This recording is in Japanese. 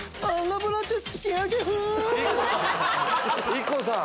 ＩＫＫＯさん。